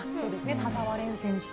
田澤廉選手とか。